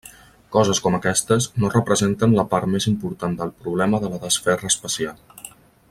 Coses com aquestes no representen la part més important del problema de la desferra espacial.